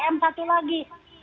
m satu lagi